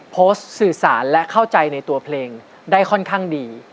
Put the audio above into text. โพสต์สื่อสารและเข้าใจในตัวเพลงได้ค่อนข้างดี